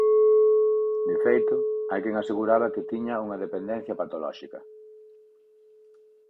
De feito, hai quen aseguraba que tiña unha dependencia patolóxica.